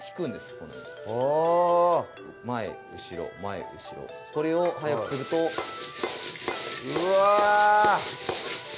このようにあぁ前・後ろ前・後ろこれを速くするとうわ！